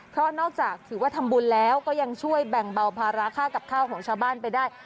เพราะนอกจากถือว่าทำบุญแล้วก็ยังช่วยแบ่งเบาภาระค่ากับข้าวของชาวบ้านไปได้